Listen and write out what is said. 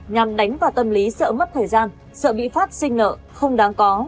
nhằm đánh vào tâm lý sợ mất thời gian sợ bị phát sinh nợ không đáng có